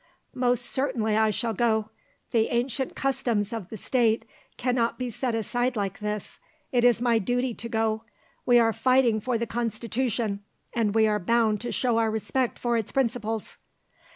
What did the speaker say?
"Most certainly I shall go. The ancient customs of the State cannot be set aside like this. It is my duty to go; we are fighting for the Constitution, and we are bound to show our respect for its principles."